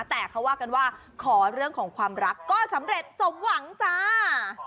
แต่เขาว่ากันว่าขอเรื่องของความรักก็สำเร็จสมหวังจ้า